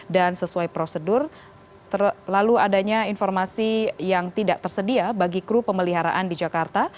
dan sesuai prosedur lalu adanya informasi yang tidak tersedia bagi kru pemeliharaan di jakarta